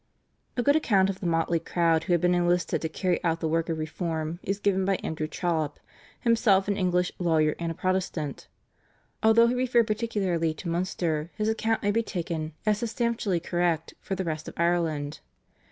A good account of the motley crowd who had been enlisted to carry out the work of reform is given by Andrew Trollope, himself an English lawyer and a Protestant. Although he referred particularly to Munster his account may be taken as substantially correct for the rest of Ireland.